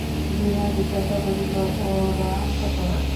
বিনয় জিজ্ঞাসা করিল, ওঁরা সকলে?